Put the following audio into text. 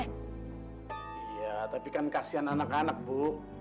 iya tapi kan kasian anak anak bu